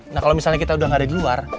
nah kalau misalnya kita udah gak ada di luar